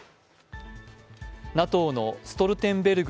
ＮＡＴＯのストルテンベルグ